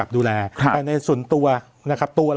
อ่ะเพราะนี้เพียรกรณีก็คือ